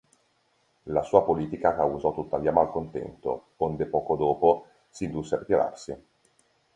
La sua politica causò tuttavia malcontento, onde poco dopo si indusse a ritirarsi.